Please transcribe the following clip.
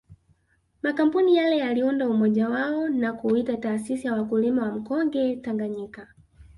Makampuni yale yaliunda umoja wao na kuuita taasisi ya wakulima wa mkonge Tanganyika